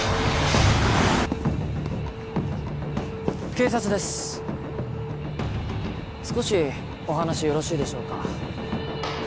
警察です少しお話よろしいでしょうか？